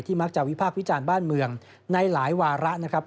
มักจะวิพากษ์วิจารณ์บ้านเมืองในหลายวาระนะครับ